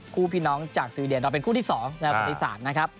คู่พี่น้องจากสวีเดนเราเป็นคู่ที่๒ในประวัติศาสตร์นะครับ